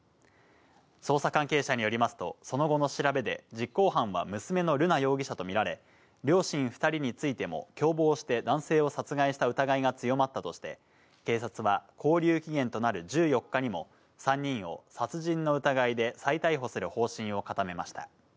捜査関係者によりますと、その後の調べで実行犯は娘の瑠奈容疑者と見られ、両親２人についても共謀して男性を殺害した疑いが強まったとして、警察は勾留期限となる１４日にも、３人を殺人の疑いで再逮捕する方針を固めました。